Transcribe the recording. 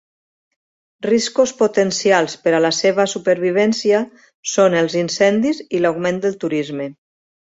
Riscos potencials per a la seva supervivència són els incendis i l'augment del turisme.